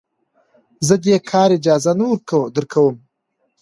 زه دې کار اجازه نه درکوم.